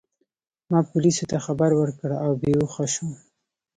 ما پولیسو ته خبر ورکړ او بې هوښه شوم.